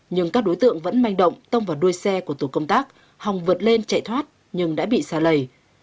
nhưng các đối tượng vẫn manh động tông vào đuôi xe của tổ công tác hòng vượt lên chạy thoát nhưng đã bị xa lầy